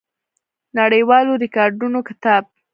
نړیوالو ریکارډونو کتاب